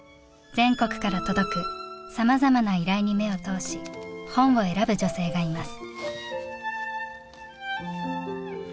全国から届くさまざまな依頼に目を通し本を選ぶ女性がいます。